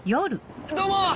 どうも！